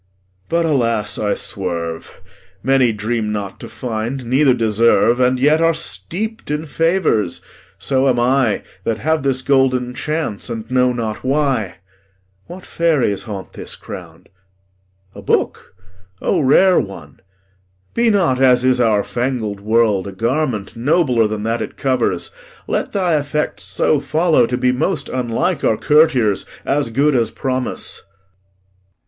But, alas, I swerve; Many dream not to find, neither deserve, And yet are steep'd in favours; so am I, That have this golden chance, and know not why. What fairies haunt this ground? A book? O rare one! Be not, as is our fangled world, a garment Nobler than that it covers. Let thy effects So follow to be most unlike our courtiers, As good as promise.